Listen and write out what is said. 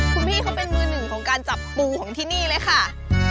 คุณพี่เขาเป็นมือหนึ่งของการจับปูของที่นี่เลยค่ะ